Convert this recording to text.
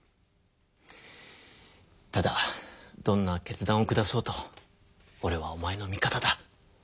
ただどんな決断を下そうとおれはおまえの味方だ。